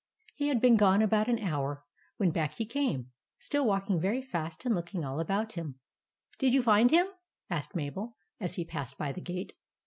He had been gone about an hour, when back he came, still walking very fast and looking all about him. " Did you find him ?" asked Mabel, as he passed by the gate.